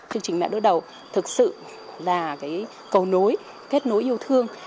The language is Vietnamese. chương trình mẹ đỡ đầu thực sự là cầu nối kết nối yêu thương